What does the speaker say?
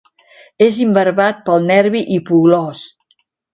És innervat pel nervi hipoglòs.